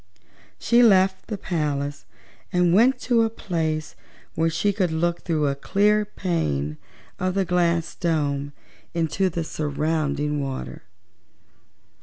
She left the palace and went to a place where she could look through a clear pane of the glass dome into the surrounding water.